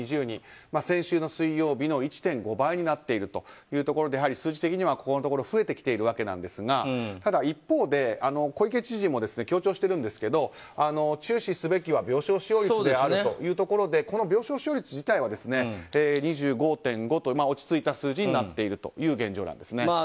先週の水曜日の１．５倍になっているということで数字的にはここのところ増えてきているわけなんですがただ一方で小池知事も強調しているんですが注視すべきは病床使用率であるということでこの病床使用率自体は２５．５と落ち着いた数字になっているという現状なんですね。